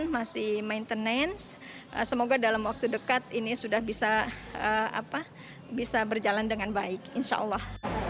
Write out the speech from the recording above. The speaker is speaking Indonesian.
masih maintenance semoga dalam waktu dekat ini sudah bisa berjalan dengan baik insya allah